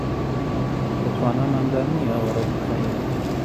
لە تواناماندا نییە ئەوە ڕێک بخەین